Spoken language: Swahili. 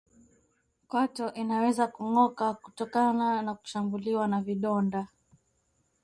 Kwato inaweza kungoka kutokana na kushambuliwa na vidonda